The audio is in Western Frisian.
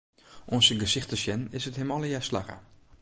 Oan syn gesicht te sjen, is it him allegear slagge.